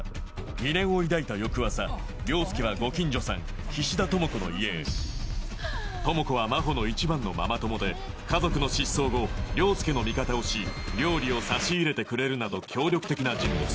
疑念を抱いた翌朝凌介はご近所さん菱田朋子の家へ朋子は真帆の一番のママ友で家族の失踪後凌介の味方をし料理を差し入れてくれるなど協力的な人物